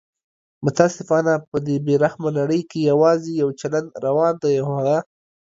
متاسفانه په دې بې رحمه نړۍ کې یواځي یو چلند روان دی او هغه